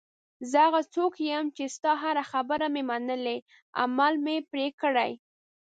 زه هغه څوک یم چې ستا هره خبره مې منلې، عمل مې پرې کړی.